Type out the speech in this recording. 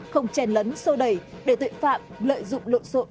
không chèn lấn sô đầy để tội phạm lợi dụng lộn sộn